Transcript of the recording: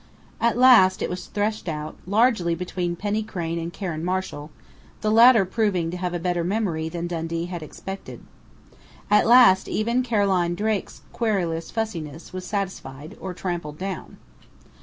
At last it was threshed out, largely between Penny Crain and Karen Marshall, the latter proving to have a better memory than Dundee had expected. At last even Carolyn Drake's querulous fussiness was satisfied, or trampled down.